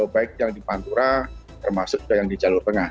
baik yang di pantura termasuk juga yang di jalur tengah